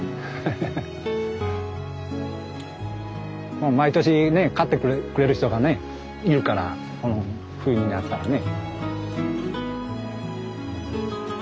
もう毎年ね買ってくれる人がねいるからうん冬になったらね。